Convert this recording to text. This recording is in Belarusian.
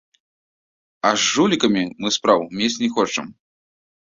А з жулікамі мы спраў мець не хочам.